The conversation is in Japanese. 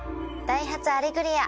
『ダイハツアレグリア』